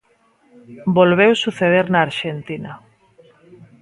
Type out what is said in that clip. Volveu suceder na Arxentina.